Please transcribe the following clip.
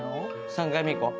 ３回目いこう。